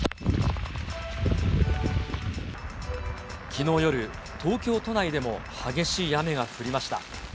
きのう夜、東京都内でも激しい雨が降りました。